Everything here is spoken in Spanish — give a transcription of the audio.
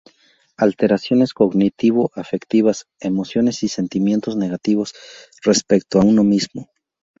Alteraciones cognitivo-afectivas: Emociones y sentimientos negativos respecto a uno mismo.